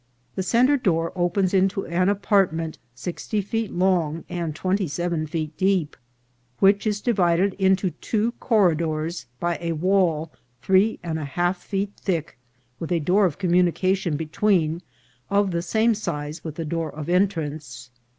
The centre door opens into an apartment sixty feet long and twenty seven feet deep, which is divided into two corridors by a wall three and a half feet thick, with a door of communication between of the same size with the door of entrance.